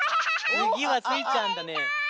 つぎはスイちゃんだね。